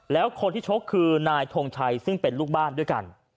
แล้วคนที่ชกคือนายทงชัยซึ่งเป็นลูกบ้านด้วยกัน